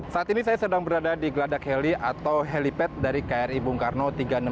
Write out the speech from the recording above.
saat ini saya sedang berada di geladak heli atau helipad dari kri bung karno tiga ratus enam puluh